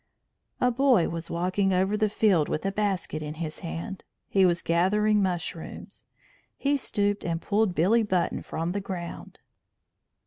A boy was walking over the field with a basket in his hand. He was gathering mushrooms. He stooped and pulled Billy Button from the ground.